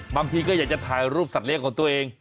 บางทีก็อยากจะถ่ายรูปสัตว์เลี้ยงของตัวเอง